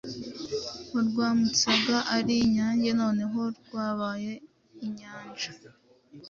warwambutsaga ari inyange noneho rwabaye inyanja ,